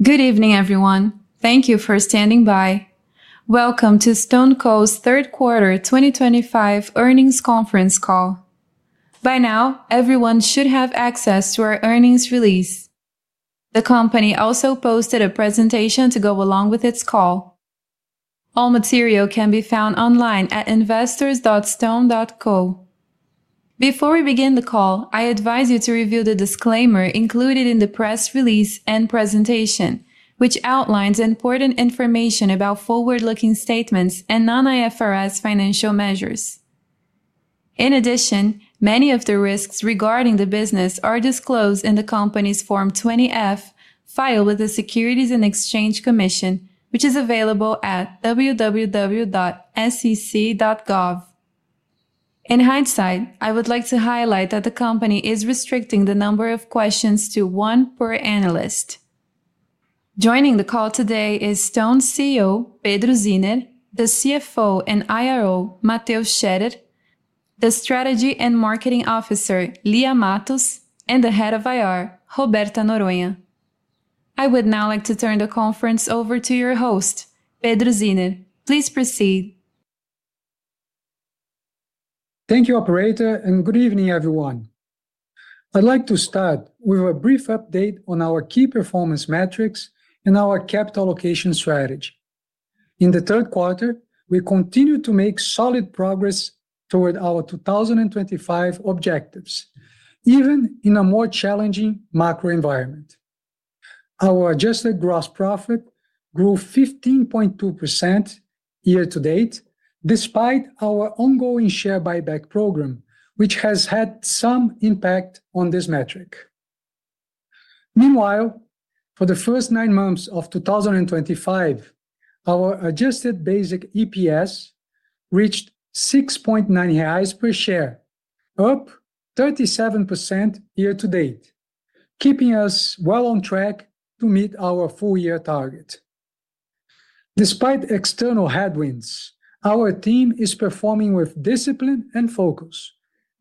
Good evening, everyone. Thank you for standing by. Welcome to StoneCo's Q3 Earnings Conference Call. by now, everyone should have access to our earnings release. The company also posted a presentation to go along with its call. All material can be found online at investors.stone.co. Before we begin the call, I advise you to review the disclaimer included in the press release and presentation, which outlines important information about forward-looking statements and non-IFRS financial measures. In addition, many of the risks regarding the business are disclosed in the company's Form 20-F filed with the U.S. Securities and Exchange Commission, which is available at www.sec.gov. In hindsight, I would like to highlight that the company is restricting the number of questions to one per analyst. Joining the call today is StoneCo's CEO, Pedro Zinner, the CFO and IRO, Mateus Scherer, the Strategy and Marketing Officer, Lia Matos, and the Head of IR, Roberta Noronha. I would now like to turn the conference over to your host, Pedro Zinner. Please proceed. Thank you, Operator, and good evening, everyone. I'd like to start with a brief update on our key performance metrics and our capital allocation strategy. In Q3, we continue to make solid progress toward our 2025 objectives, even in a more challenging macro environment. Our adjusted gross profit grew 15.2%. Year-to-Date, despite our ongoing share buyback program, which has had some impact on this metric. Meanwhile, for the first nine months of 2025, our adjusted basic EPS reached 6.90 reais per share, up 37% Year-to-Date, keeping us well on track to meet our full-year target. Despite external headwinds, our team is performing with discipline and focus,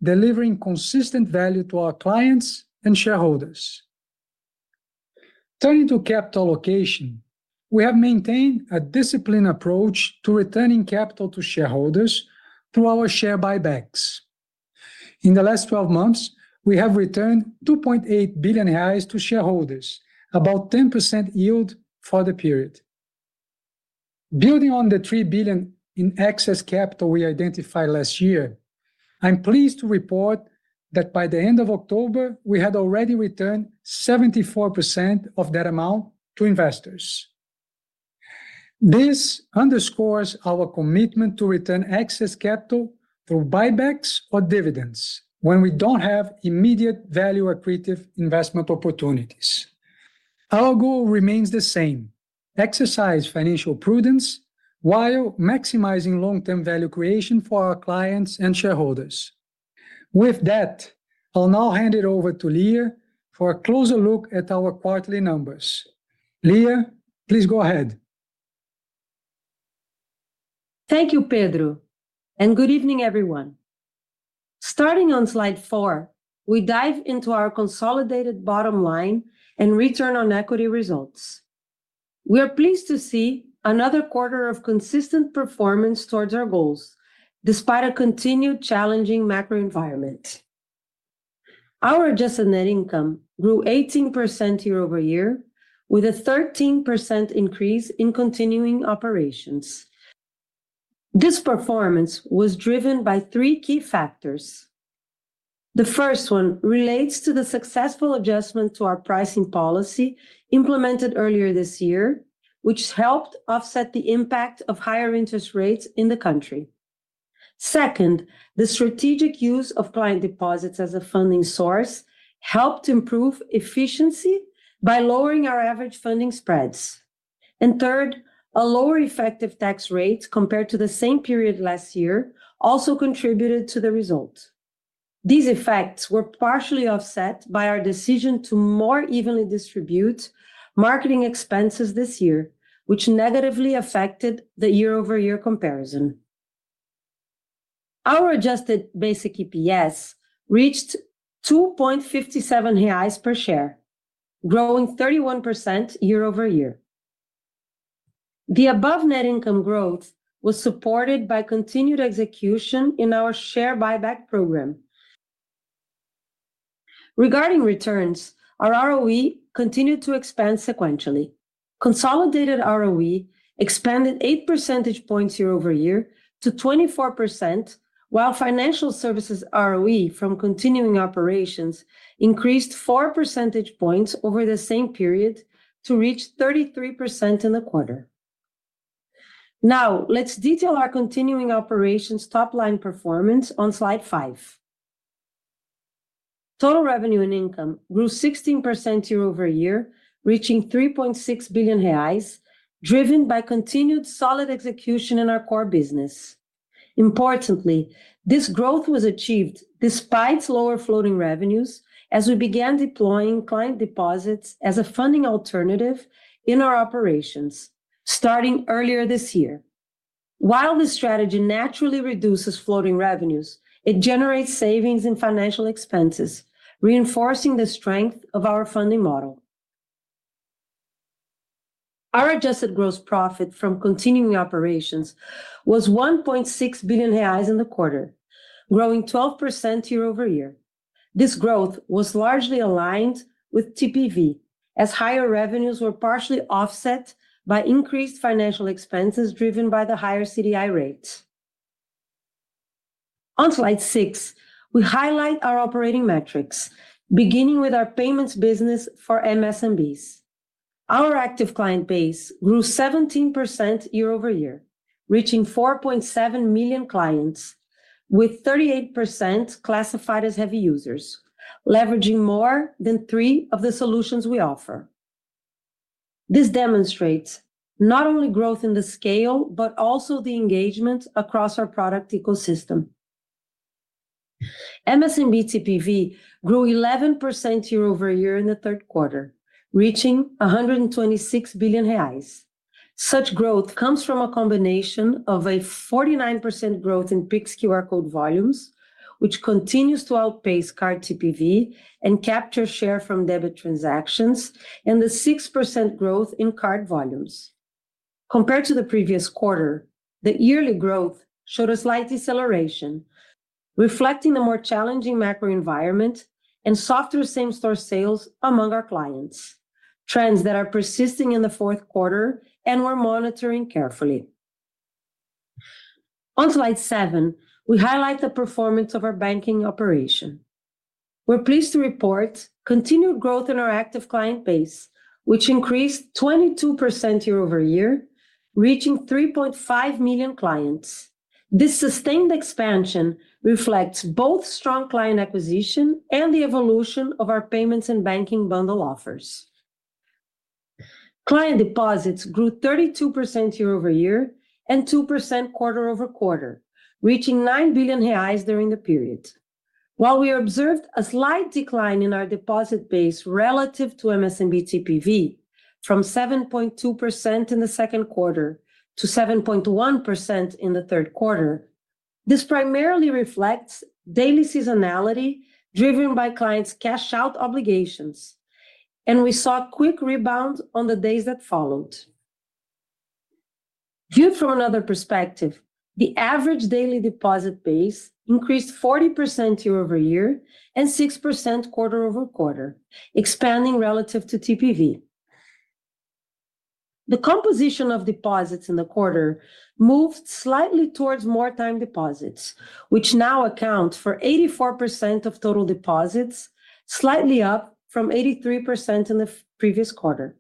delivering consistent value to our clients and shareholders. Turning to capital allocation, we have maintained a disciplined approach to returning capital to shareholders through our share buybacks. In the last 12 months, we have returned 2.8 billion reais to shareholders, about 10% yield for the period. Building on the 3 billion in excess capital we identified last year, I'm pleased to report that by the end of October, we had already returned 74% of that amount to investors. This underscores our commitment to return excess capital through buybacks or dividends when we don't have immediate value-accretive investment opportunities. Our goal remains the same: exercise financial prudence while maximizing long-term value creation for our clients and shareholders. With that, I'll now hand it over to Lia for a closer look at our quarterly numbers. Lia, please go ahead. Thank you, Pedro, and good evening, everyone. Starting on slide four, we dive into our consolidated bottom line and return on equity results. We are pleased to see another quarter of consistent performance towards our goals, despite a continued challenging macro environment. Our adjusted net income grew 18% Year-over-Year, with a 13% increase in continuing operations. This performance was driven by three key factors. The first one relates to the successful adjustment to our pricing policy implemented earlier this year, which helped offset the impact of higher interest rates in the country. Second, the strategic use of client deposits as a funding source helped improve efficiency by lowering our average funding spreads. Third, a lower effective tax rate compared to the same period last year also contributed to the result. These effects were partially offset by our decision to more evenly distribute marketing expenses this year, which negatively affected the Year-over-Year comparison. Our adjusted basic EPS reached 2.57 per share, growing 31% Year-over-Year. The above net income growth was supported by continued execution in our share buyback program. Regarding returns, our ROE continued to expand sequentially. Consolidated ROE expanded 8 percentage points Year-over-Year to 24%, while financial services ROE from continuing operations increased 4 percentage points over the same period to reach 33% in the quarter. Now, let's detail our continuing operations top-line performance on slide five. Total revenue and income grew 16% Year-over-Year, reaching 3.6 billion reais, driven by continued solid execution in our core business. Importantly, this growth was achieved despite lower floating revenues as we began deploying client deposits as a funding alternative in our operations starting earlier this year. While this strategy naturally reduces floating revenues, it generates savings in financial expenses, reinforcing the strength of our funding model. Our adjusted gross profit from continuing operations was 1.6 billion reais in the quarter, growing 12% Year-over-Year. This growth was largely aligned with TPV, as higher revenues were partially offset by increased financial expenses driven by the higher CDI rate. On slide six, we highlight our operating metrics, beginning with our payments business for MSMBs. Our active client base grew 17% Year-over-Year, reaching 4.7 million clients, with 38% classified as heavy users, leveraging more than three of the solutions we offer. This demonstrates not only growth in the scale but also the engagement across our product ecosystem. MSMB TPV grew 11% Year-over-Year in Q3, reaching 126 billion reais. Such growth comes from a combination of a 49% growth in PIX QR code volumes, which continues to outpace card TPV and capture share from debit transactions, and the 6% growth in card volumes. Compared to the previous quarter, the yearly growth showed a slight deceleration, reflecting the more challenging macro environment and softer same-store sales among our clients, trends that are persisting in Q4 and we're monitoring carefully. On slide seven, we highlight the performance of our banking operation. We're pleased to report continued growth in our active client base, which increased 22% Year-over-Year, reaching 3.5 million clients. This sustained expansion reflects both strong client acquisition and the evolution of our payments and banking bundle offers. Client deposits grew 32% Year-over-Year and 2% quarter-over-quarter, reaching 9 billion reais during the period. While we observed a slight decline in our deposit base relative to MSMB TPV, from 7.2% in Q2 to 7.1% in Q3, this primarily reflects daily seasonality driven by clients' cash-out obligations, and we saw quick rebounds on the days that followed. Viewed from another perspective, the average daily deposit base increased 40% Year-over-Year and 6% quarter-over-quarter, expanding relative to TPV. The composition of deposits in Q4 moved slightly towards more time deposits, which now account for 84% of total deposits, slightly up from 83% in the previous quarter.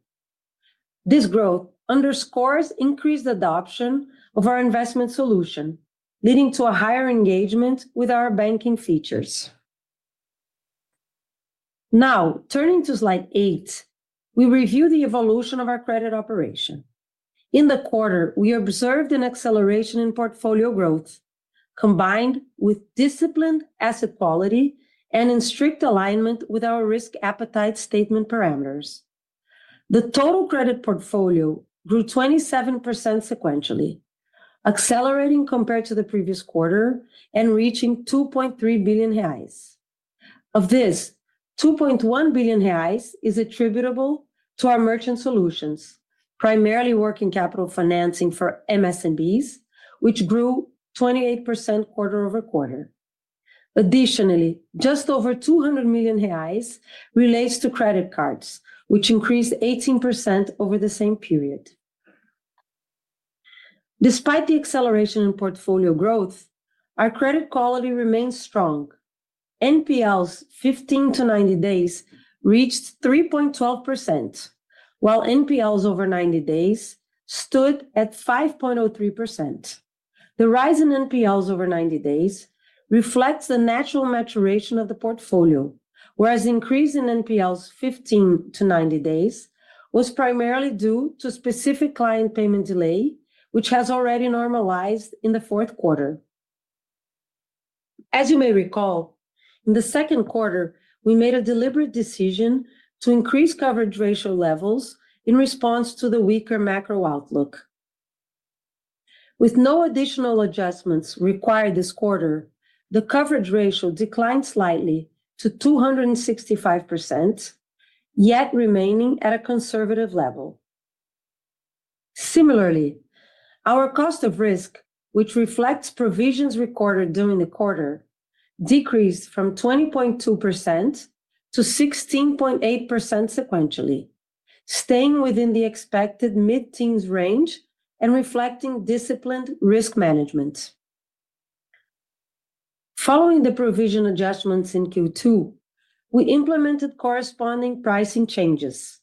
This growth underscores increased adoption of our investment solution, leading to a higher engagement with our banking features. Now, turning to slide eight, we review the evolution of our credit operation. In Q4, we observed an acceleration in portfolio growth, combined with disciplined asset quality and in strict alignment with our risk appetite statement parameters. The total credit portfolio grew 27% sequentially, accelerating compared to Q4 and reaching 2.3 billion. Of this, 2.1 billion is attributable to our merchant solutions, primarily working capital financing for MSMBs, which grew 28% quarter-over-quarter. Additionally, just over 200 million reais relates to credit cards, which increased 18% over the same period. Despite the acceleration in portfolio growth, our credit quality remained strong. NPLs 15-90 days reached 3.12%, while NPLs over 90 days stood at 5.03%. The rise in NPLs over 90 days reflects the natural maturation of the portfolio, whereas the increase in NPLs 15-90 days was primarily due to specific client payment delay, which has already normalized in Q4. As you may recall, in Q2, we made a deliberate decision to increase coverage ratio levels in response to the weaker macro outlook. With no additional adjustments required this quarter, the coverage ratio declined slightly to 265%. Yet remaining at a conservative level. Similarly, our cost of risk, which reflects provisions recorded during the quarter, decreased from 20.2% to 16.8% sequentially, staying within the expected mid-teens range and reflecting disciplined risk management. Following the provision adjustments in Q2, we implemented corresponding pricing changes.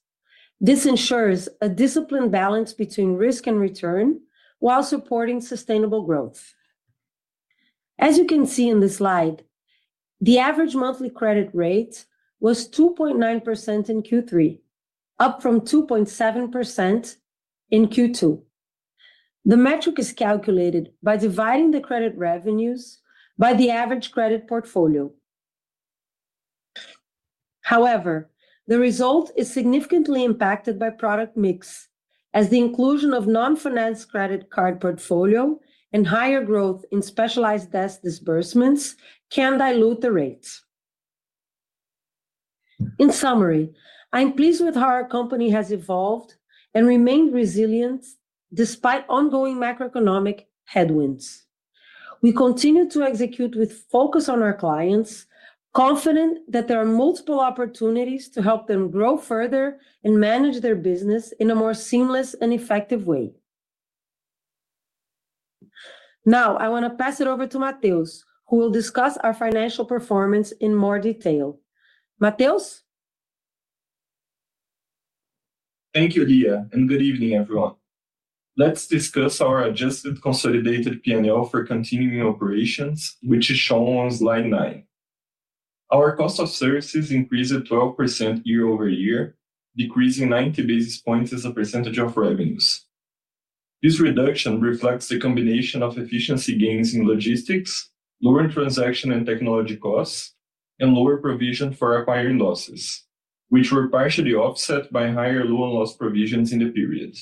This ensures a disciplined balance between risk and return while supporting sustainable growth. As you can see in this slide, the average monthly credit rate was 2.9% in Q3, up from 2.7% in Q2. The metric is calculated by dividing the credit revenues by the average credit portfolio. However, the result is significantly impacted by product mix, as the inclusion of non-financed credit card portfolio and higher growth in specialized desk disbursements can dilute the rates. In summary, I'm pleased with how our company has evolved and remained resilient despite ongoing macroeconomic headwinds. We continue to execute with focus on our clients, confident that there are multiple opportunities to help them grow further and manage their business in a more seamless and effective way. Now, I want to pass it over to Mateus, who will discuss our financial performance in more detail. Mateus? Thank you, Lia, and good evening, everyone. Let's discuss our adjusted consolidated P&L for continuing operations, which is shown on slide nine. Our cost of services increased 12% Year-over-Year, decreasing 90 basis points as a percentage of revenues. This reduction reflects the combination of efficiency gains in logistics, lower transaction and technology costs, and lower provision for acquiring losses, which were partially offset by higher loan-and-loss provisions in the period.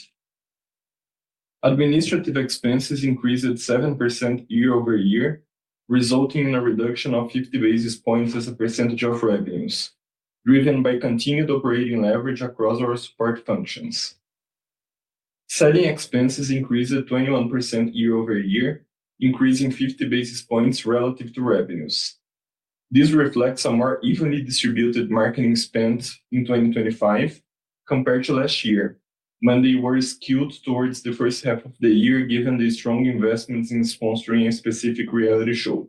Administrative expenses increased 7% Year-over-Year, resulting in a reduction of 50 basis points as a percentage of revenues, driven by continued operating leverage across our support functions. Selling expenses increased 21% Year-over-Year, increasing 50 basis points relative to revenues. This reflects a more evenly distributed marketing spend in 2025 compared to last year, when they were skewed towards the first half of the year given the strong investments in sponsoring a specific reality show.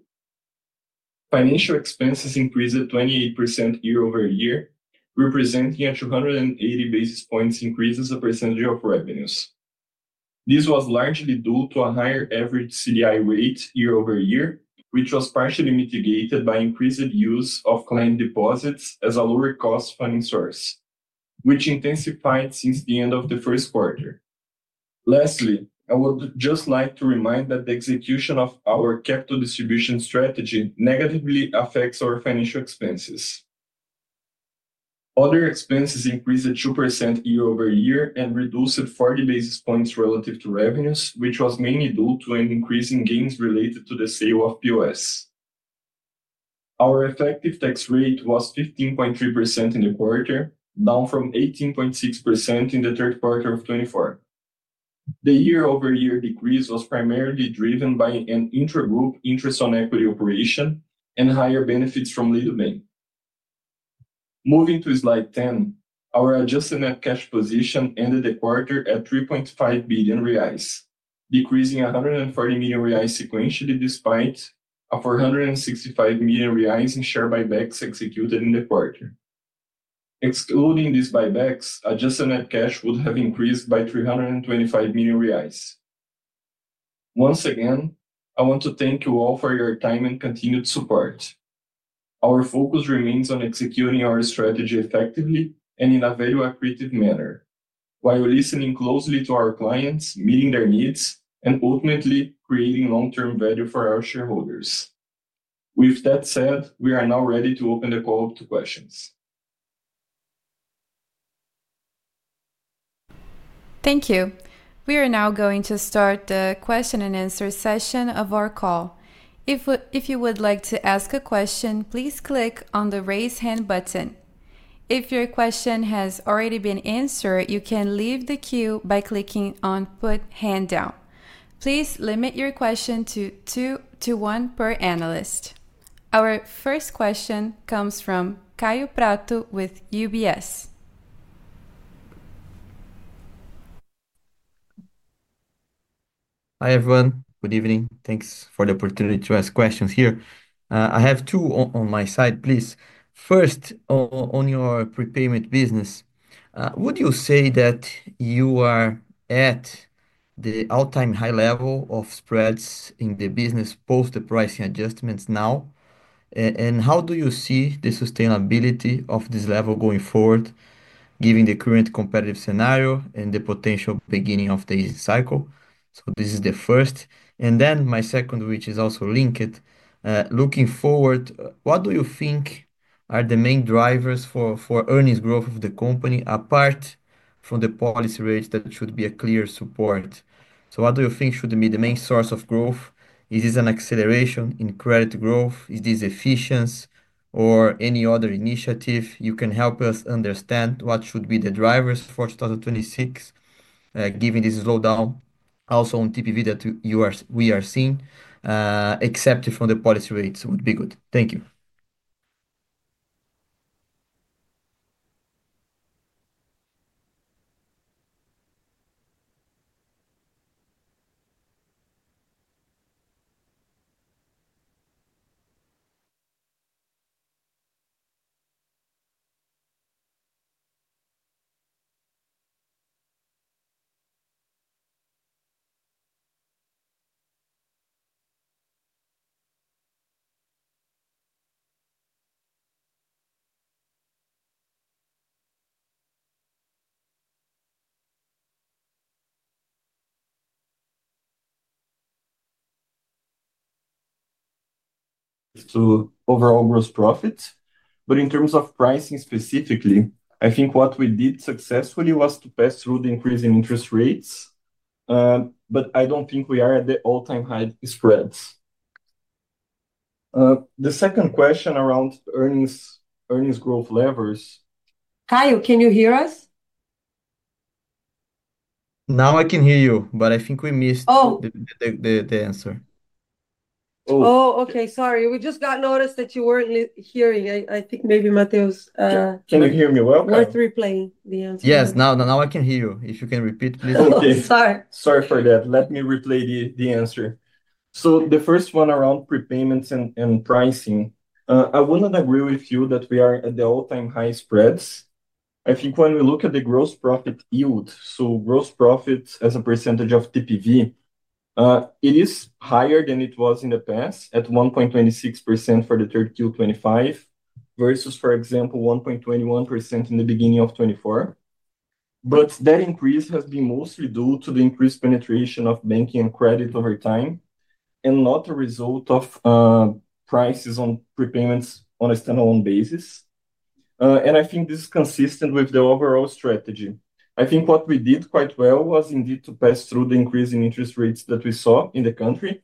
Financial expenses increased 28% Year-over-Year, representing a 280 basis points increase as a percentage of revenues. This was largely due to a higher average CDI rate Year-over-Year, which was partially mitigated by increased use of client deposits as a lower cost funding source, which intensified since the end of Q1. Lastly, I would just like to remind that the execution of our capital distribution strategy negatively affects our financial expenses. Other expenses increased 2% Year-over-Year and reduced 40 basis points relative to revenues, which was mainly due to an increase in gains related to the sale of POS. Our effective tax rate was 15.3% in Q4, down from 18.6% in Q3 of 2024. The Year-over-Year decrease was primarily driven by an intra-group interest on equity operation and higher benefits from Lia Matos. Moving to slide 10, our adjusted net cash position ended the quarter at 3.5 billion reais, decreasing 140 million reais sequentially despite a 465 million reais in share buybacks executed in Q4. Excluding these buybacks, adjusted net cash would have increased by 325 million reais. Once again, I want to thank you all for your time and continued support. Our focus remains on executing our strategy effectively and in a value-accretive manner, while listening closely to our clients, meeting their needs, and ultimately creating long-term value for our shareholders. With that said, we are now ready to open the call to questions. Thank you. We are now going to start the question and answer session of our call. If you would like to ask a question, please click on the raise hand button. If your question has already been answered, you can leave the queue by clicking on put hand down. Please limit your question to one to two per analyst. Our first question comes from Caio Prato with UBS. Hi, everyone. Good evening. Thanks for the opportunity to ask questions here. I have two on my side, please. First. On your prepayment business. Would you say that you are at the all-time high level of spreads in the business post the pricing adjustments now? How do you see the sustainability of this level going forward, given the current competitive scenario and the potential beginning of the easy cycle? This is the first. My second, which is also linked, looking forward, what do you think are the main drivers for earnings growth of the company apart from the policy rates that should be a clear support? What do you think should be the main source of growth? Is this an acceleration in credit growth? Is this efficiency or any other initiative you can help us understand what should be the drivers for 2026. Given this slowdown, also on TPV that we are seeing. Except from the policy rates, would be good. Thank you. To overall gross profit. In terms of pricing specifically, I think what we did successfully was to pass through the increase in interest rates. I do not think we are at the all-time high spreads. The second question around earnings growth levers. Caio, can you hear us? Now I can hear you, but I think we missed the answer. Oh, okay. Sorry. We just got noticed that you were not hearing. I think maybe Mateus. Can you hear me? Welcome. We're replaying the answer. Yes. Now I can hear you. If you can repeat, please. Okay. Sorry for that. Let me replay the answer. The first one around prepayments and pricing, I would not agree with you that we are at the all-time high spreads. I think when we look at the gross profit yield, so gross profit as a percentage of TPV, it is higher than it was in the past at 1.26% for Q2 2025 versus, for example, 1.21% in the beginning of 2024. That increase has been mostly due to the increased penetration of banking and credit over time and not a result of prices on prepayments on a standalone basis. I think this is consistent with the overall strategy. I think what we did quite well was indeed to pass through the increase in interest rates that we saw in the country,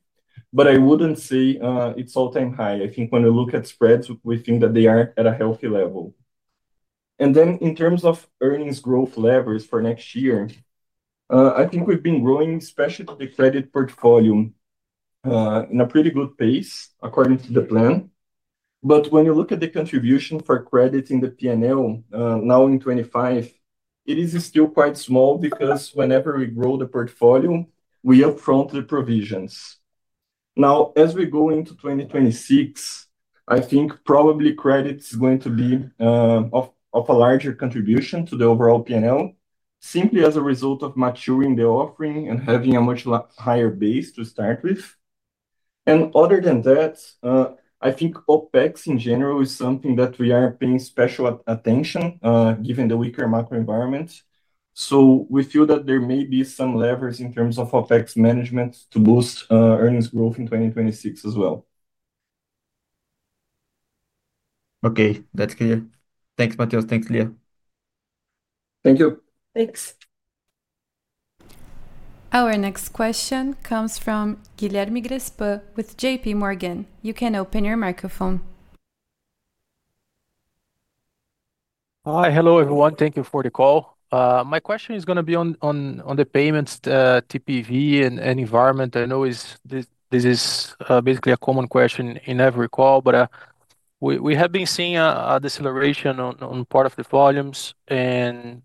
but I would not say it is all-time high. I think when we look at spreads, we think that they are at a healthy level. Then in terms of earnings growth levers for next year, I think we've been growing, especially the credit portfolio, in a pretty good pace according to the plan. When you look at the contribution for credit in the P&L now in 2025, it is still quite small because whenever we grow the portfolio, we upfront the provisions. Now, as we go into 2026, I think probably credit is going to be of a larger contribution to the overall P&L, simply as a result of maturing the offering and having a much higher base to start with. Other than that, I think OPEX in general is something that we are paying special attention to given the weaker macro environment. We feel that there may be some levers in terms of OPEX management to boost earnings growth in 2026 as well. Okay. That's clear. Thanks, Mateus. Thanks, Lia. Thank you. Thanks. Our next question comes from Guilherme Grespan with JPMorgan. You can open your microphone. Hi, hello, everyone. Thank you for the call. My question is going to be on the payments, TPV, and environment. I know this is basically a common question in every call, but we have been seeing a deceleration on part of the volumes, and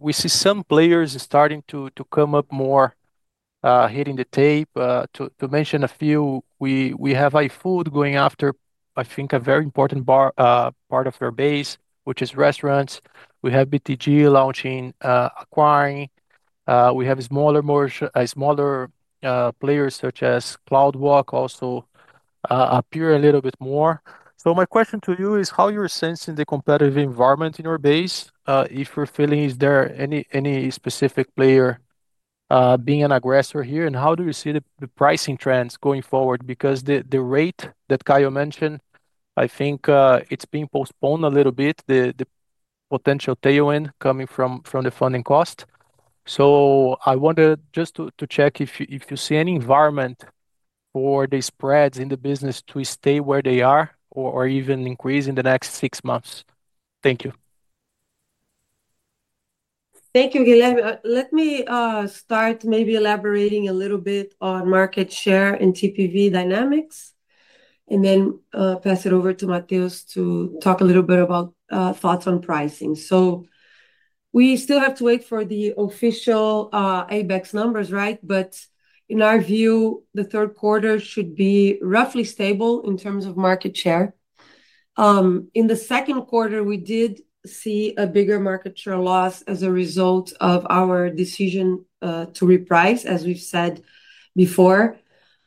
we see some players starting to come up more, hitting the tape. To mention a few, we have iFood going after, I think, a very important part of their base, which is restaurants. We have BTG launching acquiring. We have smaller players such as CloudWalk also appear a little bit more. My question to you is how you're sensing the competitive environment in your base. If you're feeling, is there any specific player being an aggressor here? How do you see the pricing trends going forward? Because the rate that Caio mentioned, I think it's been postponed a little bit, the potential tailwind coming from the funding cost. I wanted just to check if you see any environment for the spreads in the business to stay where they are or even increase in the next six months. Thank you. Thank you, Guilherme. Let me start maybe elaborating a little bit on market share and TPV dynamics, and then pass it over to Mateus to talk a little bit about thoughts on pricing. We still have to wait for the official ABECS numbers, right? In our view, Third Quarter should be roughly stable in terms of market share. In the Second Quarter, we did see a bigger market share loss as a result of our decision to reprice, as we've said before.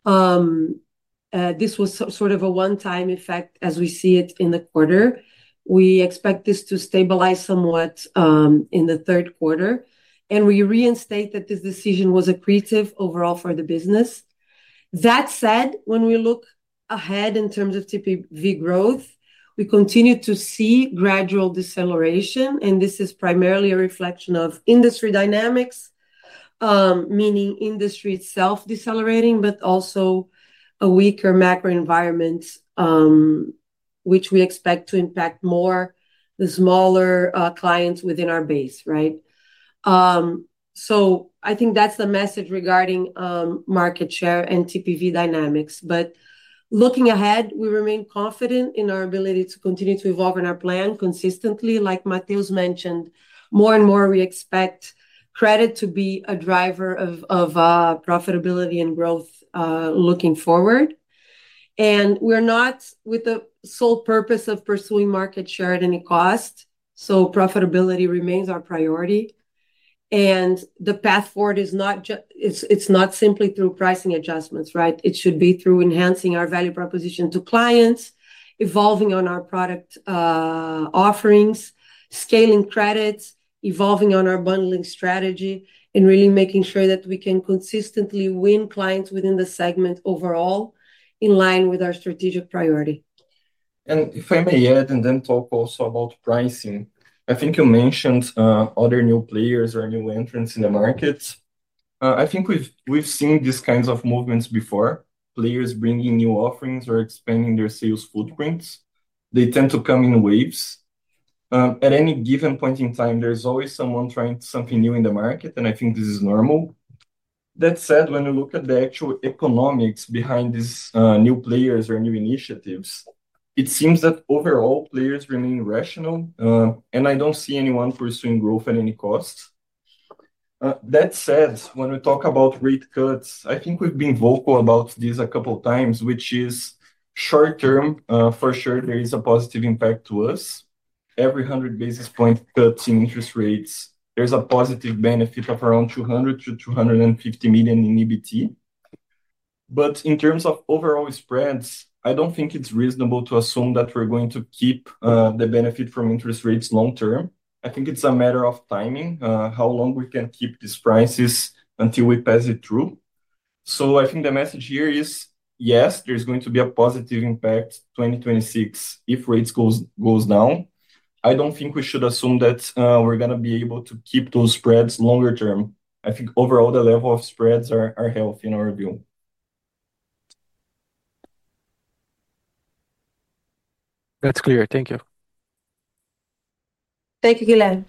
This was sort of a one-time effect as we see it in the quarter. We expect this to stabilize somewhat in Third Quarter, and we reinstate that this decision was accretive overall for the business. That said, when we look ahead in terms of TPV growth, we continue to see gradual deceleration, and this is primarily a reflection of industry dynamics. Meaning industry itself decelerating, but also a weaker macro environment, which we expect to impact more the smaller clients within our base, right? I think that's the message regarding market share and TPV dynamics. Looking ahead, we remain confident in our ability to continue to evolve on our plan consistently. Like Mateus mentioned, more and more we expect credit to be a driver of profitability and growth looking forward. We're not with the sole purpose of pursuing market share at any cost. Profitability remains our priority. The path forward is not just simply through pricing adjustments, right? It should be through enhancing our value proposition to clients, evolving on our product offerings, scaling credit, evolving on our bundling strategy, and really making sure that we can consistently win clients within the segment overall in line with our strategic priority. If I may add and then talk also about pricing, I think you mentioned other new players or new entrants in the markets. I think we've seen these kinds of movements before, players bringing new offerings or expanding their sales footprints. They tend to come in waves. At any given point in time, there's always someone trying something new in the market, and I think this is normal. That said, when you look at the actual economics behind these new players or new initiatives, it seems that overall players remain rational, and I do not see anyone pursuing growth at any cost. That said, when we talk about rate cuts, I think we've been vocal about this a couple of times, which is. Short-term, for sure, there is a positive impact to us. Every 100 basis point cuts in interest rates, there's a positive benefit of around 200 million-250 million in EBT. In terms of overall spreads, I do not think it's reasonable to assume that we're going to keep the benefit from interest rates long-term. I think it's a matter of timing, how long we can keep these prices until we pass it through. I think the message here is, yes, there's going to be a positive impact in 2026 if rates go down. I do not think we should assume that we're going to be able to keep those spreads longer term. I think overall the level of spreads are healthy in our view. That's clear. Thank you. Thank you, Guilherme.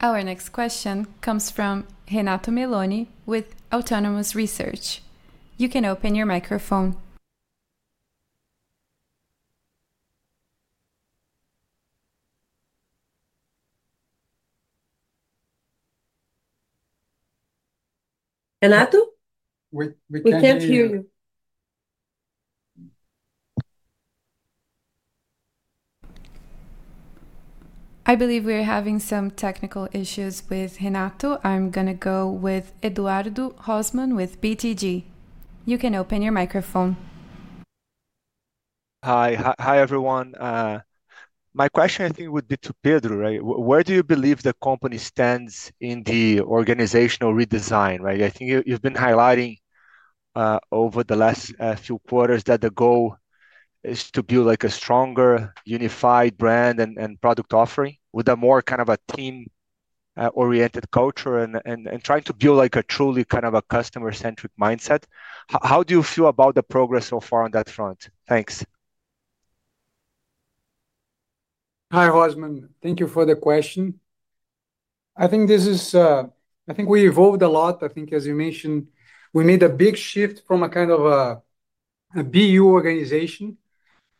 Our next question comes from Renato Meloni with Autonomous Research. You can open your microphone. Renato? We can't hear you. I believe we're having some technical issues with Renato. I'm going to go with Eduardo Hoffmann with BTG. You can open your microphone. Hi, hi, everyone. My question, I think, would be to Pedro, right? Where do you believe the company stands in the organizational redesign, right? I think you've been highlighting over the last few quarters that the goal is to build a stronger, unified brand and product offering with a more kind of a team-oriented culture and trying to build a truly kind of a customer-centric mindset. How do you feel about the progress so far on that front? Thanks. Hi, Hoffman. Thank you for the question. I think this is, I think we evolved a lot. I think, as you mentioned, we made a big shift from a kind of a BU organization,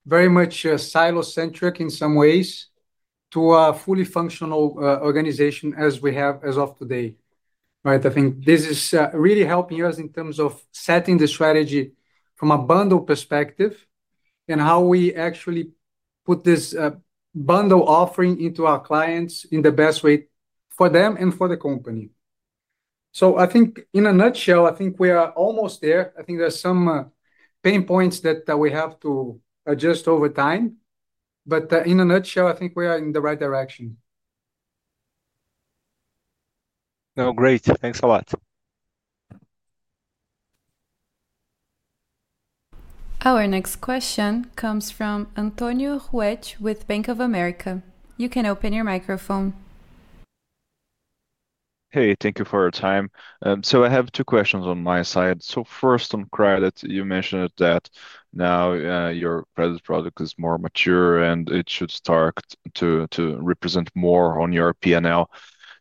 very much silo-centric in some ways, to a fully functional organization as we have as of today, right? I think this is really helping us in terms of setting the strategy from a bundle perspective and how we actually put this bundle offering into our clients in the best way for them and for the company. In a nutshell, I think we are almost there. I think there are some pain points that we have to adjust over time. In a nutshell, I think we are in the right direction. No, great. Thanks a lot. Our next question comes from Antonio Huetch with Bank of America. You can open your microphone. Hey, thank you for your time. I have two questions on my side. First, on credit, you mentioned that now your credit product is more mature and it should start to represent more on your P&L.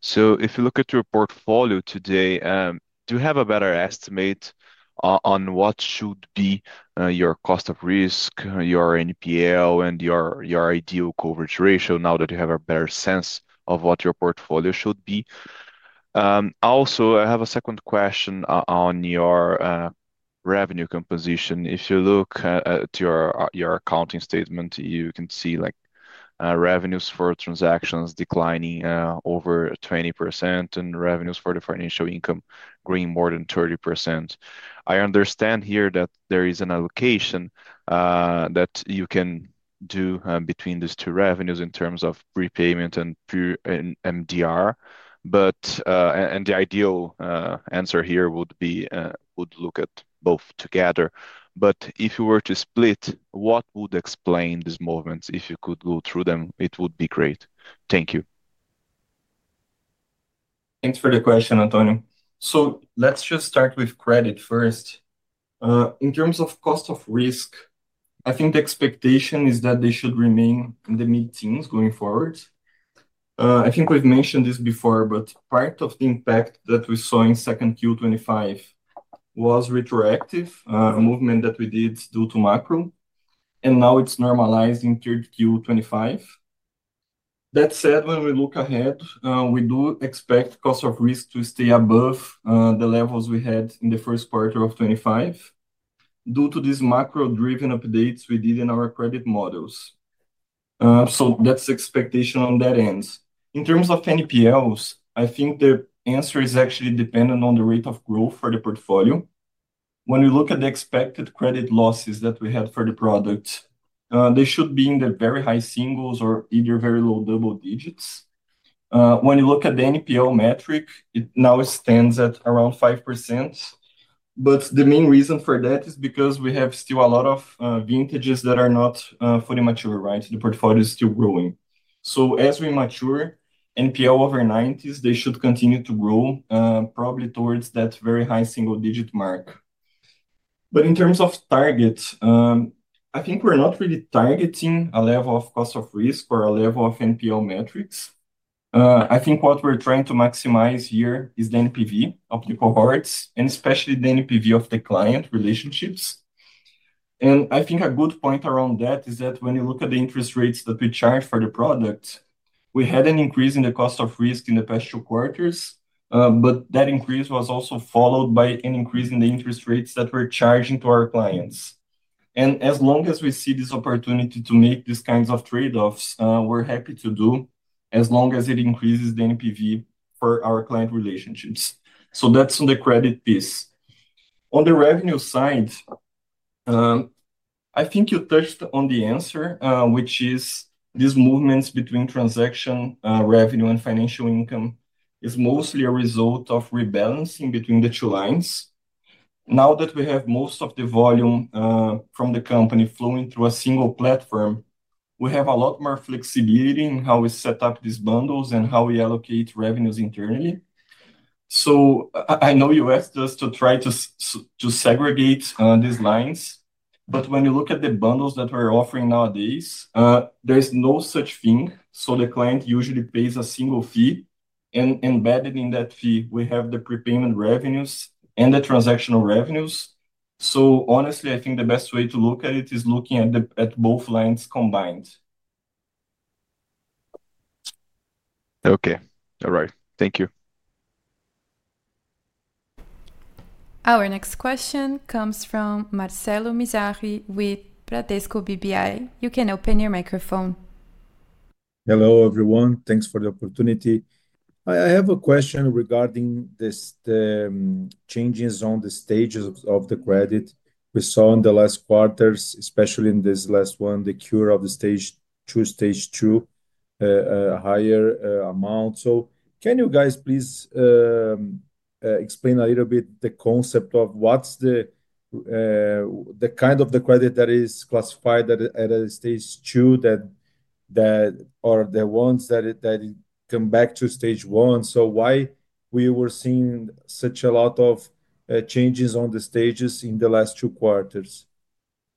If you look at your portfolio today, do you have a better estimate on what should be your cost of risk, your NPL, and your ideal coverage ratio now that you have a better sense of what your portfolio should be? I have a second question on your revenue composition. If you look at your accounting statement, you can see revenues for transactions declining over 20% and revenues for the financial income growing more than 30%. I understand here that there is an allocation that you can do between these two revenues in terms of prepayment and MDR. The ideal answer here would be look at both together. If you were to split, what would explain these movements? If you could go through them, it would be great. Thank you. Thanks for the question, Antonio. Let's just start with credit first. In terms of cost of risk, I think the expectation is that they should remain in the mid-teens going forward. I think we've mentioned this before, but part of the impact that we saw in second Q2 2025 was retroactive, a movement that we did due to macro, and now it's normalized in third Q2 2025. That said, when we look ahead, we do expect cost of risk to stay above the levels we had in the First Quarter of 2025 due to these macro-driven updates we did in our credit models. That's the expectation on that end. In terms of NPLs, I think the answer is actually dependent on the rate of growth for the portfolio. When we look at the expected credit losses that we had for the product, they should be in the very high singles or either very low double digits. When you look at the NPL metric, it now stands at around 5%. The main reason for that is because we have still a lot of vintages that are not fully mature, right? The portfolio is still growing. As we mature, NPL over 90s, they should continue to grow probably towards that very high single-digit mark. In terms of target, I think we're not really targeting a level of cost of risk or a level of NPL metrics. I think what we're trying to maximize here is the NPV of the cohorts, and especially the NPV of the client relationships. I think a good point around that is that when you look at the interest rates that we charge for the product, we had an increase in the cost of risk in the past two quarters, but that increase was also followed by an increase in the interest rates that we're charging to our clients. As long as we see this opportunity to make these kinds of trade-offs, we're happy to do as long as it increases the NPV for our client relationships. That is on the credit piece. On the revenue side, I think you touched on the answer, which is these movements between transaction revenue and financial income is mostly a result of rebalancing between the two lines. Now that we have most of the volume from the company flowing through a single platform, we have a lot more flexibility in how we set up these bundles and how we allocate revenues internally. I know you asked us to try to segregate these lines, but when you look at the bundles that we're offering nowadays, there's no such thing. The client usually pays a single fee, and embedded in that fee, we have the prepayment revenues and the transactional revenues. Honestly, I think the best way to look at it is looking at both lines combined. Okay. All right. Thank you. Our next question comes from Marcelo Mizrahi with Bradesco BBI. You can open your microphone. Hello everyone. Thanks for the opportunity. I have a question regarding the changes on the stages of the credit we saw in the last quarters, especially in this last one, the cure of the stage two, stage two. A higher amount. Can you guys please explain a little bit the concept of what's the kind of the credit that is classified at a stage two that are the ones that come back to stage one? Why were we seeing such a lot of changes on the stages in the last two quarters?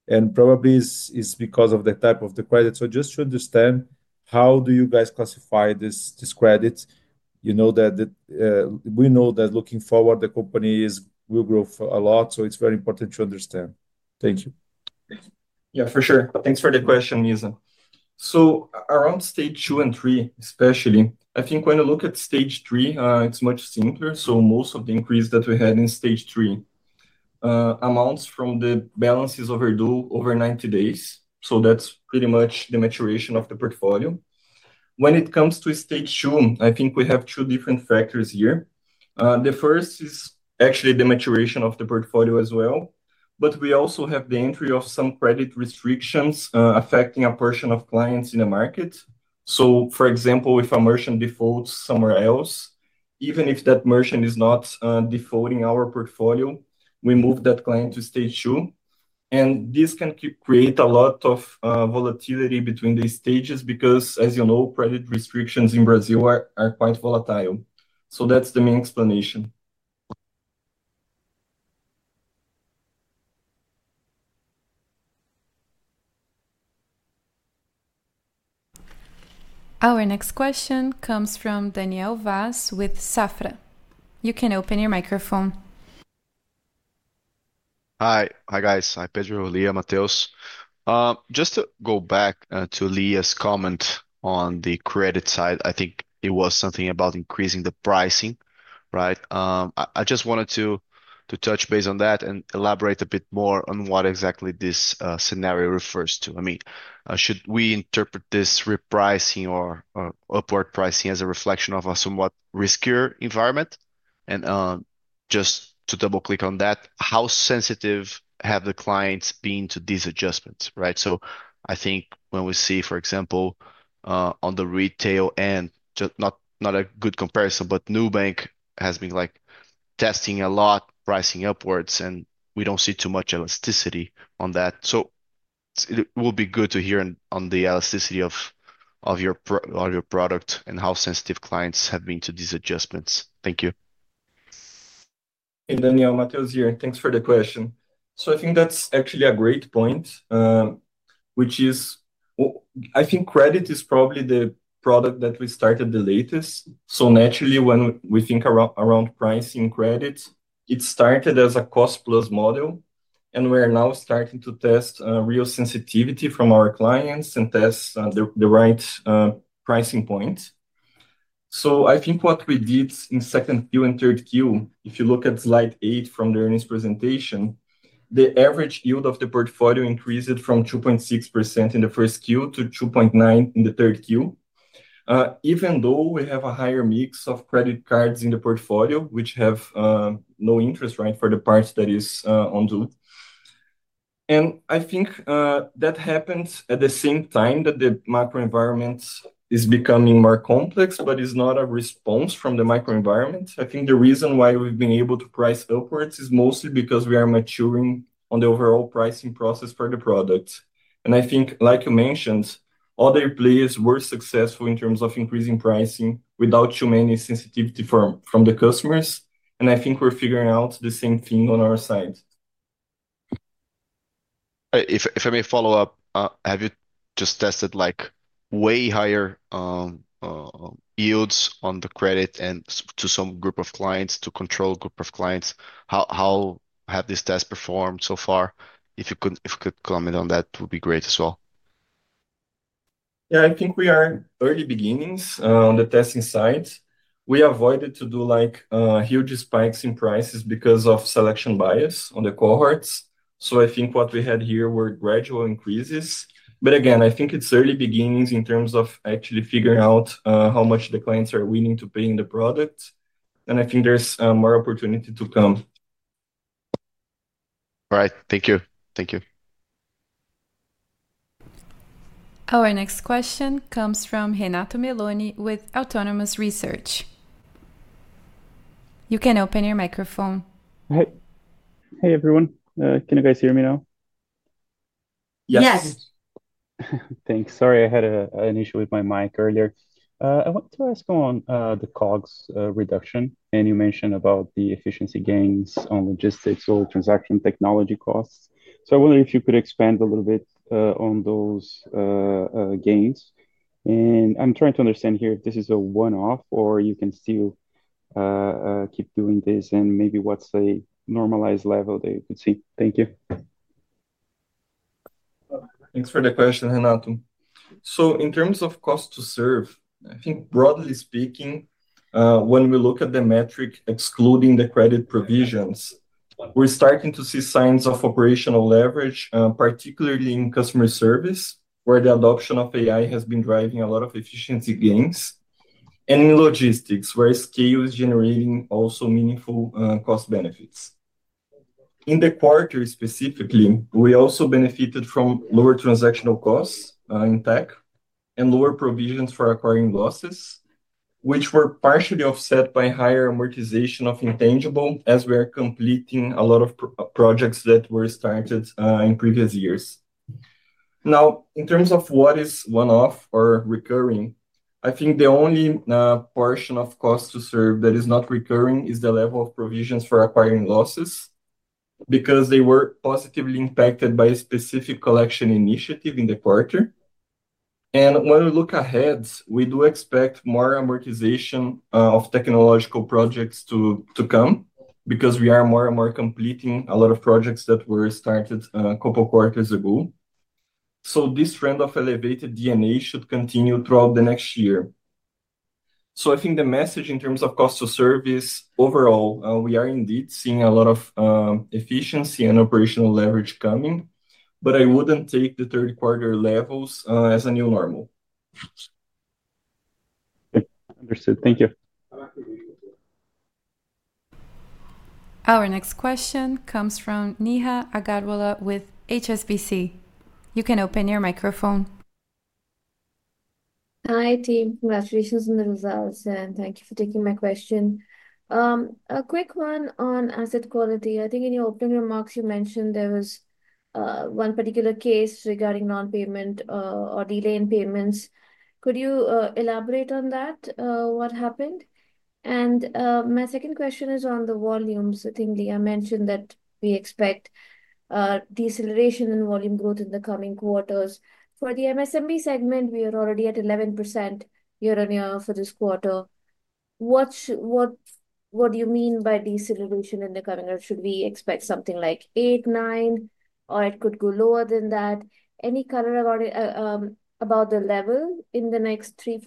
Probably it's because of the type of the credit. Just to understand, how do you guys classify this credit? We know that looking forward, the company will grow a lot, so it's very important to understand. Thank you. Yeah, for sure. Thanks for the question, Mizrahi. Around stage two and three, especially, I think when you look at stage three, it's much simpler. Most of the increase that we had in stage three amounts from the balances overdue over 90 days. That's pretty much the maturation of the portfolio. When it comes to stage two, I think we have two different factors here. The first is actually the maturation of the portfolio as well, but we also have the entry of some credit restrictions affecting a portion of clients in the market. For example, if a merchant defaults somewhere else, even if that merchant is not defaulting in our portfolio, we move that client to stage two. This can create a lot of volatility between the stages because, as you know, credit restrictions in Brazil are quite volatile. That's the main explanation. Our next question comes from Daniel Vaz with Safra. You can open your microphone. Hi, hi guys. I'm Pedro Lia Matos. Just to go back to Lia's comment on the credit side, I think it was something about increasing the pricing, right? I just wanted to touch base on that and elaborate a bit more on what exactly this scenario refers to. I mean, should we interpret this repricing or upward pricing as a reflection of a somewhat riskier environment? I mean, just to double-click on that, how sensitive have the clients been to these adjustments, right? I think when we see, for example, on the retail end, not a good comparison, but Nubank has been testing a lot pricing upwards, and we do not see too much elasticity on that. It will be good to hear on the elasticity of your product and how sensitive clients have been to these adjustments. Thank you. Daniel Mateos here. Thanks for the question. I think that's actually a great point. I think credit is probably the product that we started the latest. Naturally, when we think around pricing credit, it started as a cost-plus model. We are now starting to test real sensitivity from our clients and test the right pricing points. I think what we did in second Q and third Q, if you look at slide eight from the earnings presentation, the average yield of the portfolio increased from 2.6% in the first Q to 2.9% in the third Q. Even though we have a higher mix of credit cards in the portfolio, which have no interest, right, for the part that is on due. I think that happens at the same time that the macro environment is becoming more complex, but it's not a response from the micro environment. I think the reason why we've been able to price upwards is mostly because we are maturing on the overall pricing process for the product. I think, like you mentioned, other players were successful in terms of increasing pricing without too much sensitivity from the customers. I think we're figuring out the same thing on our side. If I may follow up, have you just tested way higher yields on the credit and to some group of clients, to control group of clients? How have these tests performed so far? If you could comment on that, it would be great as well. Yeah, I think we are in early beginnings on the testing side. We avoided to do huge spikes in prices because of selection bias on the cohorts. I think what we had here were gradual increases. Again, I think it's early beginnings in terms of actually figuring out how much the clients are willing to pay in the product. I think there's more opportunity to come. All right. Thank you. Thank you. Our next question comes from Renato Meloni with Autonomous Research. You can open your microphone. Hey, everyone. Can you guys hear me now? Yes. Thanks. Sorry, I had an issue with my mic earlier. I wanted to ask on the COGS reduction, and you mentioned about the efficiency gains on logistics or transaction technology costs. I wonder if you could expand a little bit on those gains. I'm trying to understand here if this is a one-off or you can still keep doing this and maybe what's a normalized level that you could see. Thank you. Thanks for the question, Renato. In terms of cost to serve, I think broadly speaking, when we look at the metric excluding the credit provisions, we're starting to see signs of operational leverage, particularly in customer service, where the adoption of AI has been driving a lot of efficiency gains. In logistics, scale is generating also meaningful cost benefits. In the quarter specifically, we also benefited from lower transactional costs in tech and lower provisions for acquiring losses, which were partially offset by higher amortization of intangible as we are completing a lot of projects that were started in previous years. Now, in terms of what is one-off or recurring, I think the only portion of cost to serve that is not recurring is the level of provisions for acquiring losses, because they were positively impacted by a specific collection initiative in the quarter. When we look ahead, we do expect more amortization of technological projects to come because we are more and more completing a lot of projects that were started a couple of quarters ago. This trend of elevated DNA should continue throughout the next year. I think the message in terms of cost of service overall, we are indeed seeing a lot of efficiency and operational leverage coming, but I would not take Third Quarter levels as a new normal. Understood. Thank you. Our next question comes from Neha Agarwala with HSBC. You can open your microphone. Hi team, Congratulations on the results, and thank you for taking my question. A quick one on asset quality. I think in your opening remarks, you mentioned there was one particular case regarding non-payment or delay in payments. Could you elaborate on that, what happened? My second question is on the volumes. I think Lia mentioned that we expect deceleration in volume growth in the coming quarters. For the MSMB segment, we are already at 11% year-on-year for this quarter. What do you mean by deceleration in the coming year? Should we expect something like 8-9%, or could it go lower than that? Any color about the level in the next two,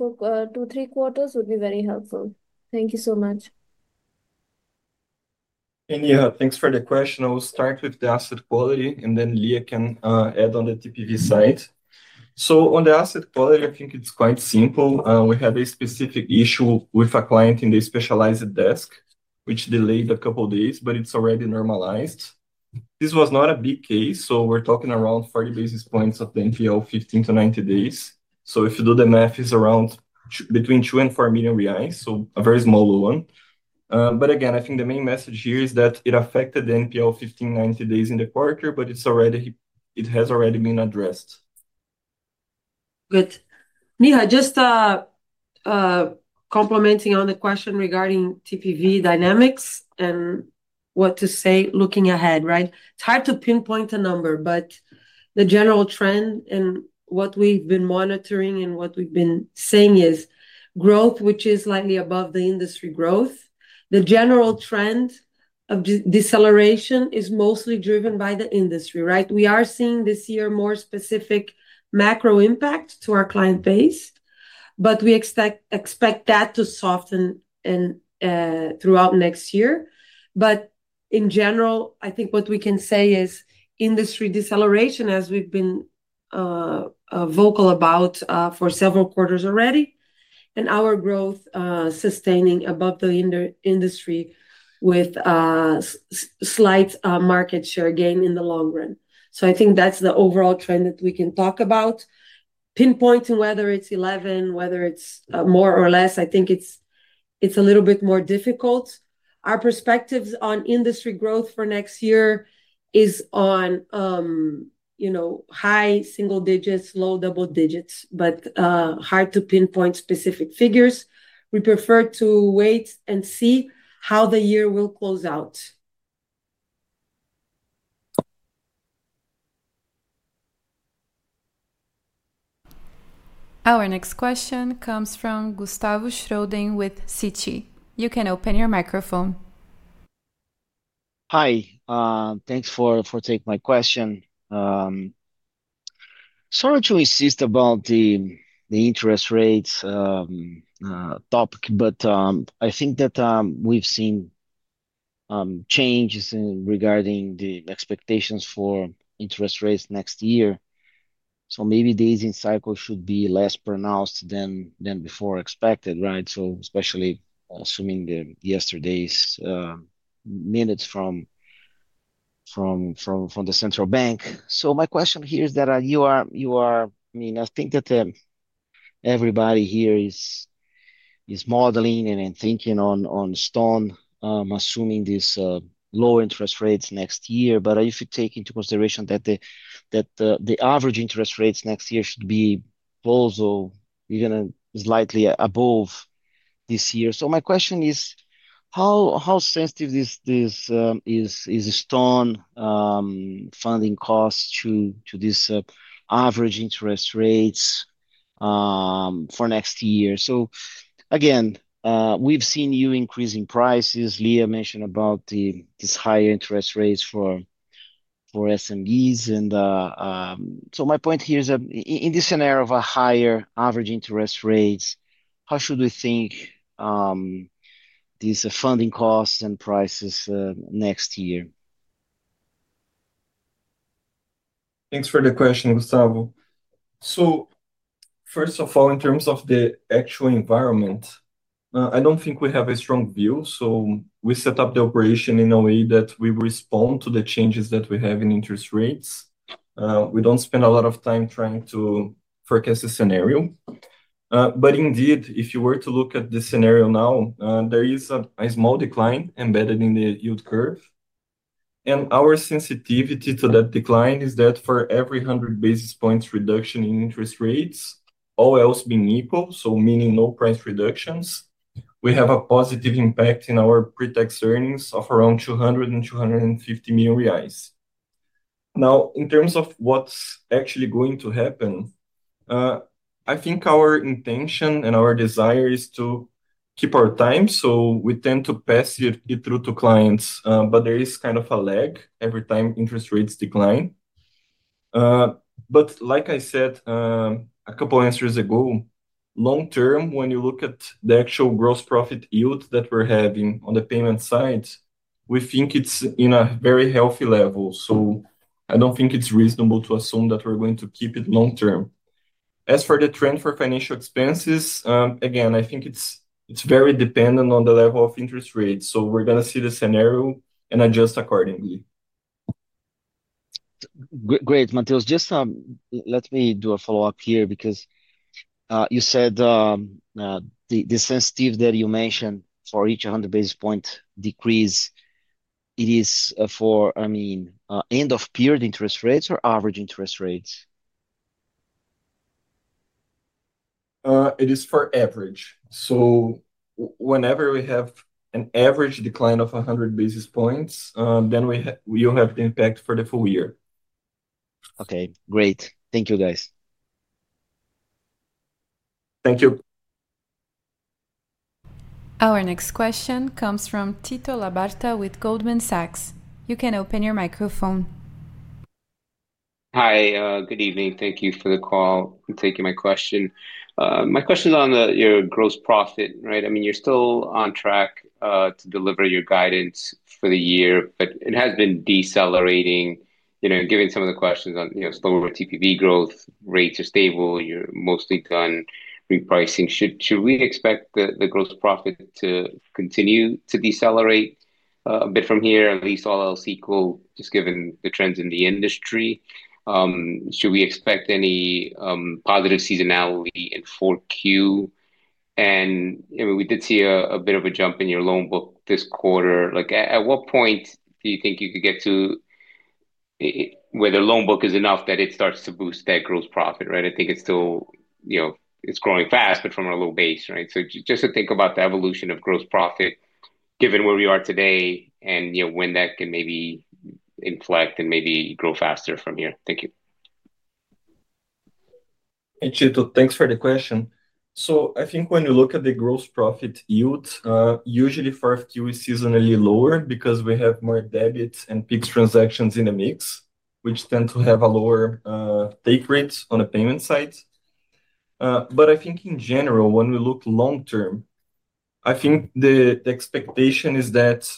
three quarters would be very helpful. Thank you so much. Yeah, thanks for the question. I will start with the asset quality, and then Lia can add on the TPV side. On the asset quality, I think it is quite simple. We had a specific issue with a client in the specialized desk, which delayed a couple of days, but it is already normalized. This was not a big case, so we are talking around 40 basis points of the NPL 15 to 90 days. If you do the math, it is around between 2 million and 4 million reais, so a very small one. Again, I think the main message here is that it affected the NPL 15 to 90 days in the quarter, but it has already been addressed. Good. Neha, just complementing on the question regarding TPV dynamics and what to say looking ahead, right? It's hard to pinpoint a number, but the general trend and what we've been monitoring and what we've been saying is growth, which is slightly above the industry growth. The general trend of deceleration is mostly driven by the industry, right? We are seeing this year more specific macro impact to our client base, but we expect that to soften throughout next year. In general, I think what we can say is industry deceleration, as we've been vocal about for several quarters already, and our growth sustaining above the industry with slight market share gain in the long run. I think that's the overall trend that we can talk about. Pinpointing whether it's 11, whether it's more or less, I think it's a little bit more difficult. Our perspectives on industry growth for next year is on high single digits, low double digits, but hard to pinpoint specific figures. We prefer to wait and see how the year will close out. Our next question comes from Gustavo Schroding with Citi. You can open your microphone. Hi. Thanks for taking my question. Sorry to insist about the interest rates topic, but I think that we've seen changes regarding the expectations for interest rates next year. Maybe days in cycle should be less pronounced than before expected, right? Especially assuming yesterday's minutes from the central bank. My question here is that you are, I mean, I think that everybody here is modeling and thinking on Stone, assuming these low interest rates next year. If you take into consideration that the average interest rates next year should be also even slightly above this year, my question is, how sensitive is Stone funding costs to these average interest rates for next year? Again, we've seen you increasing prices. Lia mentioned about these higher interest rates for SMEs. My point here is that in this scenario of a higher average interest rate, how should we think about these funding costs and prices next year? Thanks for the question, Gustavo. First of all, in terms of the actual environment, I don't think we have a strong view. We set up the operation in a way that we respond to the changes that we have in interest rates. We don't spend a lot of time trying to forecast the scenario. Indeed, if you were to look at the scenario now, there is a small decline embedded in the yield curve. Our sensitivity to that decline is that for every 100 basis points reduction in interest rates, all else being equal, meaning no price reductions, we have a positive impact in our pre-tax earnings of around 200 million-250 million reais. In terms of what's actually going to happen, I think our intention and our desire is to keep our time. We tend to pass it through to clients, but there is kind of a lag every time interest rates decline. Like I said a couple of answers ago, long-term, when you look at the actual gross profit yield that we're having on the payment side, we think it's at a very healthy level. I don't think it's reasonable to assume that we're going to keep it long-term. As for the trend for financial expenses, again, I think it's very dependent on the level of interest rate. We're going to see the scenario and adjust accordingly. Great, Mateus. Just let me do a follow-up here because you said the sensitivity that you mentioned for each 100 basis point decrease, it is for, I mean, end-of-period interest rates or average interest rates? It is for average. So whenever we have an average decline of 100 basis points, then we'll have the impact for the full year. Okay. Great. Thank you, guys. Thank you. Our next question comes from Tito Labarta with Goldman Sachs. You can open your microphone. Hi, good evening. Thank you for the call and taking my question. My question is on your gross profit, right? I mean, you're still on track to deliver your guidance for the year, but it has been decelerating. Given some of the questions on slower TPV growth, rates are stable, you're mostly done repricing. Should we expect the gross profit to continue to decelerate a bit from here? At least all else equal, just given the trends in the industry. Should we expect any positive seasonality in 4Q? We did see a bit of a jump in your loan book this quarter. At what point do you think you could get to where the loan book is enough that it starts to boost that gross profit, right? I think it's still growing fast, but from a low base, right? Just to think about the evolution of gross profit, given where we are today, and when that can maybe inflect and maybe grow faster from here. Thank you. Tito, thanks for the question. I think when you look at the gross profit yield, usually Q4 is seasonally lower because we have more debits and fixed transactions in the mix, which tend to have a lower take rate on the payment side. I think in general, when we look long-term, the expectation is that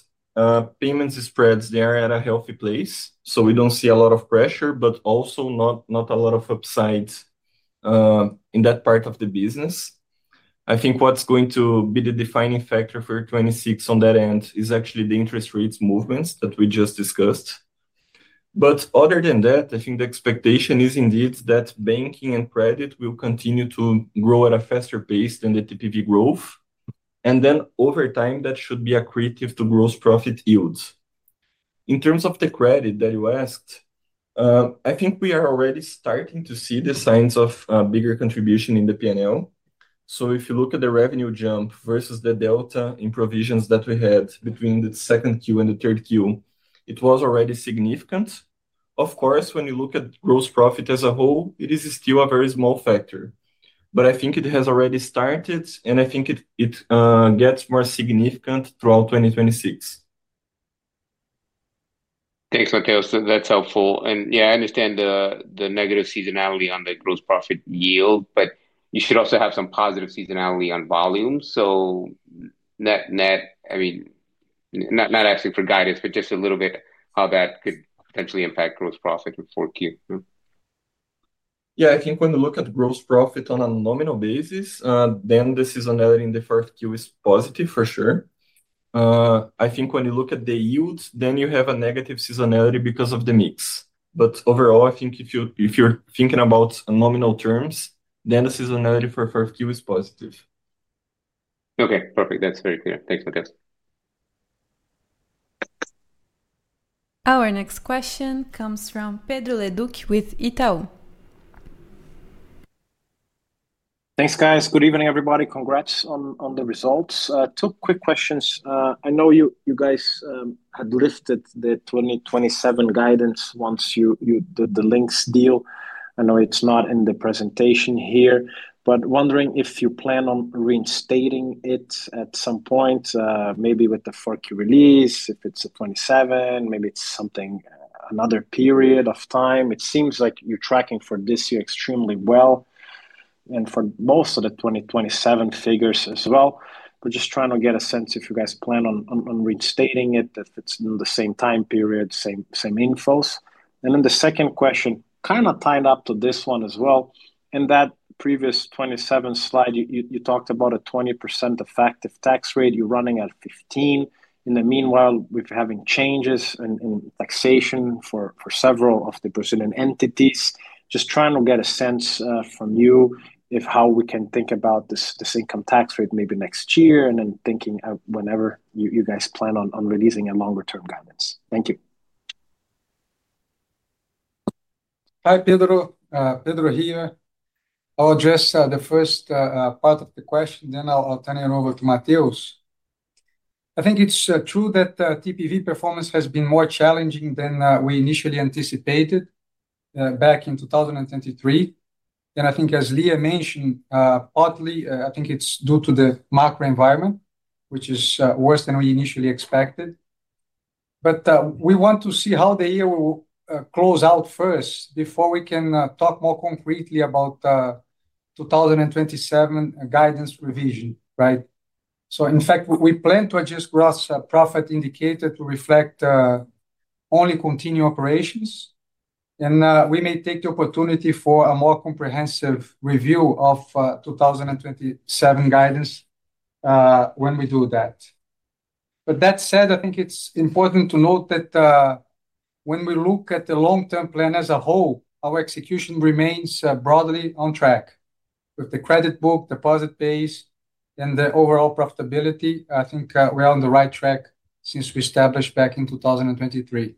payments spreads, they are at a healthy place. We do not see a lot of pressure, but also not a lot of upside in that part of the business. I think what is going to be the defining factor for 2026 on that end is actually the interest rates movements that we just discussed. Other than that, the expectation is indeed that banking and credit will continue to grow at a faster pace than the TPV growth. Over time, that should be accretive to gross profit yields. In terms of the credit that you asked, I think we are already starting to see the signs of a bigger contribution in the P&L. If you look at the revenue jump versus the delta in provisions that we had between the second Q and the third Q, it was already significant. Of course, when you look at gross profit as a whole, it is still a very small factor. I think it has already started, and I think it gets more significant throughout 2026. Thanks, Mateus. That's helpful. Yeah, I understand the negative seasonality on the gross profit yield, but you should also have some positive seasonality on volume. Net, I mean. Not asking for guidance, but just a little bit how that could potentially impact gross profit in 4Q. Yeah, I think when you look at gross profit on a nominal basis, then the seasonality in the Fourth Quarter is positive for sure. I think when you look at the yields, then you have a negative seasonality because of the mix. Overall, I think if you're thinking about nominal terms, then the seasonality for the Fourth Quarter is positive. Okay, perfect. That's very clear. Thanks, Mateus. Our next question comes from Pedro Leduc with Itaú. Thanks, guys. Good evening, everybody. Congrats on the results. Two quick questions. I know you guys had lifted the 2027 guidance once you did the Linx deal. I know it's not in the presentation here, but wondering if you plan on reinstating it at some point, maybe with the Q4 release, if it's a 2027, maybe it's something, another period of time. It seems like you're tracking for this year extremely well. And for most of the 2027 figures as well. We're just trying to get a sense if you guys plan on reinstating it, if it's in the same time period, same infos. And then the second question, kind of tied up to this one as well. In that previous 2027 slide, you talked about a 20% effective tax rate. You're running at 15%. In the meanwhile, we're having changes in taxation for several of the Brazilian entities. Just trying to get a sense from you of how we can think about this income tax rate maybe next year and then thinking whenever you guys plan on releasing a longer-term guidance. Thank you. Hi, Pedro. Pedro here. I'll address the first part of the question, then I'll turn it over to Mateus. I think it's true that TPV performance has been more challenging than we initially anticipated back in 2023. I think, as Lia mentioned partly, I think it's due to the macro environment, which is worse than we initially expected. We want to see how the year will close out first before we can talk more concretely about 2027 guidance revision, right? In fact, we plan to adjust gross profit indicator to reflect only continued operations. We may take the opportunity for a more comprehensive review of 2027 guidance when we do that. That said, I think it's important to note that. When we look at the long-term plan as a whole, our execution remains broadly on track with the credit book, deposit base, and the overall profitability. I think we're on the right track since we established back in 2023.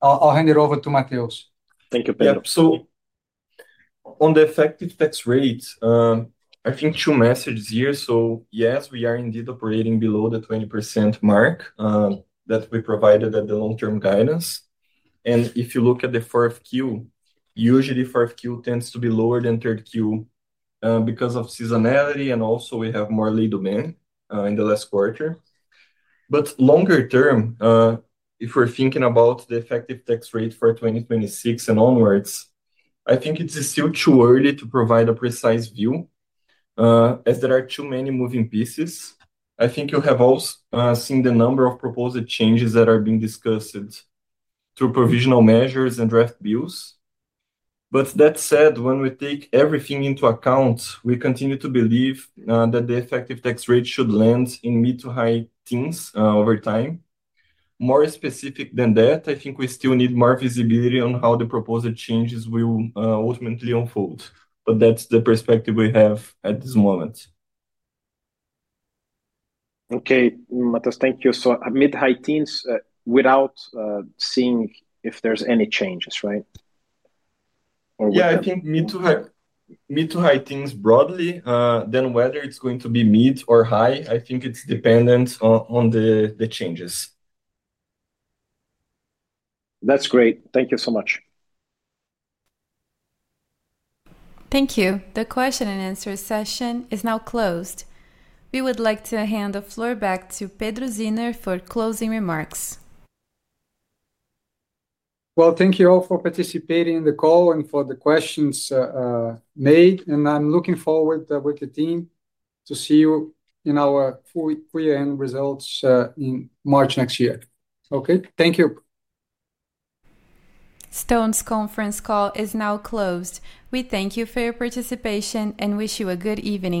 I'll hand it over to Mateus. Thank you, Pedro, Yeah. So. On the effective tax rate, I think two messages here. Yes, we are indeed operating below the 20% mark that we provided at the long-term guidance. If you look at the Fourth Quarter, usually Fourth Quarter tends to be lower Third Quarter because of seasonality and also we have more lay demand in the last quarter. Longer term, if we're thinking about the effective tax rate for 2026 and onwards, I think it's still too early to provide a precise view. As there are too many moving pieces, I think you have also seen the number of proposed changes that are being discussed through provisional measures and draft bills. That said, when we take everything into account, we continue to believe that the effective tax rate should land in mid to high teens over time. More specific than that, I think we still need more visibility on how the proposed changes will ultimately unfold. That is the perspective we have at this moment. Okay, Mateus, thank you. Mid high teens without seeing if there's any changes, right? Yeah, I think mid to high teens broadly, then whether it's going to be mid or high, I think it's dependent on the changes. That's great. Thank you so much. Thank you. The question and answer session is now closed. We would like to hand the floor back to Pedro Zinner for closing remarks. Thank you all for participating in the call and for the questions made. I'm looking forward with the team to see you in our pre-end results in March next year. Okay, thank you. Stone's Conference Call is now closed. We thank you for your participation and wish you a good evening.